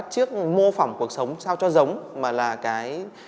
cuộc sống sao cho giống mà là cái